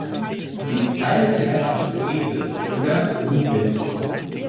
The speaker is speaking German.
Sie ist Teil der Hämatopoese oder Blutbildung.